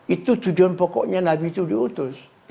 itu tujuan pokoknya nabi itu diutus